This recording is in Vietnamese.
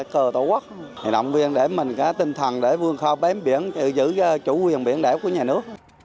cờ tổ quốc thì động viên để mình có tinh thần để vươn khơi bám biển giữ chủ quyền biển đảo của nhà nước